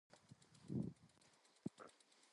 He was survived by his wife Silvia and two sons.